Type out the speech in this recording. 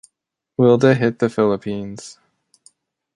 Wilda hit the Philippines.